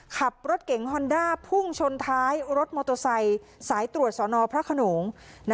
ขับรถเก๋งฮอนด้าพุ่งชนท้ายรถมอเตอร์ไซค์สายตรวจสอนอพระขนง